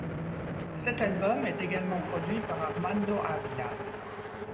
Cet album est également produit par Ármando Ávila.